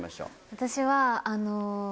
私は。